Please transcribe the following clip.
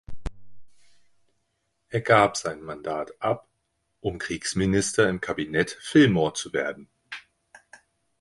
Er gab sein Mandat ab, um Kriegsminister im Kabinett Fillmore zu werden.